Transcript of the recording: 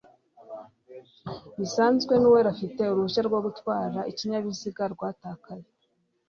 bisabwe n'ewara afite urehushya rwo gutwara ikinyabiziga rwatakaye